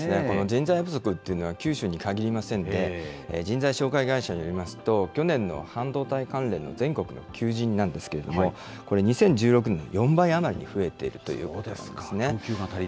この人材不足というのは九州に限りませんで、人材紹介会社によりますと、去年の半導体関連の全国の求人なんですけれども、これ、２０１６年の４倍余りに増えているということなんですね。